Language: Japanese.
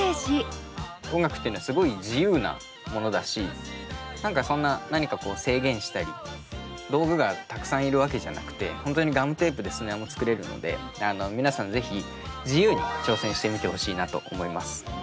音楽ってのはすごい自由なものだし何かそんな何かこう制限したり道具がたくさんいるわけじゃなくて本当にガムテープでスネアも作れるので皆さん是非自由に挑戦してみてほしいなと思います。